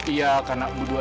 ia akan abdua